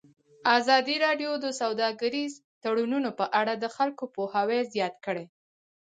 ازادي راډیو د سوداګریز تړونونه په اړه د خلکو پوهاوی زیات کړی.